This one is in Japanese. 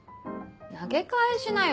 投げ返しなよ